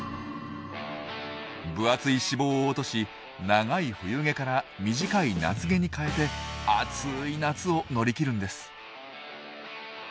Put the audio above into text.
分厚い脂肪を落とし長い冬毛から短い夏毛に換えて暑い夏を乗り切るんです。